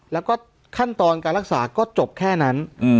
แล้วก็ขั้นตอนการรักษาก็จบแค่นั้น